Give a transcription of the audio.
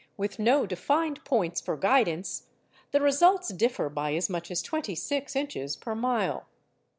with no defined points for guidance, the results differ by as much as twenty six inches per mile.